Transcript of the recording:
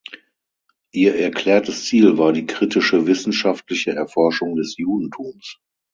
Ihr erklärtes Ziel war die kritische wissenschaftliche Erforschung des Judentums.